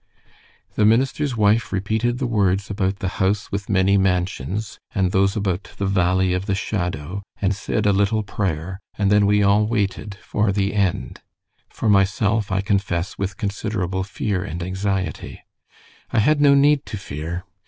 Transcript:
The minister's wife repeated the words about the house with many mansions, and those about the valley of the shadow, and said a little prayer, and then we all waited for the end for myself, I confess with considerable fear and anxiety. I had no need to fear.